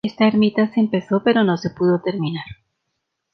Esta ermita se empezó pero no se pudo terminar.